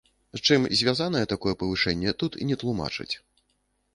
З чым звязанае такое павышэнне, тут не тлумачаць.